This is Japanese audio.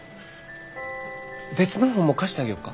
別の本も貸してあげようか？